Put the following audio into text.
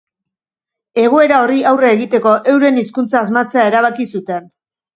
Egoera horri aurre egiteko euren hizkuntza asmatzea erabaki zuten.